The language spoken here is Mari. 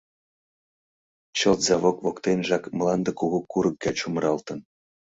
Чылт завод воктенжак мланде кугу курык гай чумыралтын.